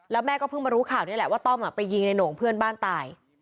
แล้วแม่ก็เพิ่งมารู้ข่าวนี่แหละว่าต้อมไปยิงในโหน่งเพื่อนบ้านตาย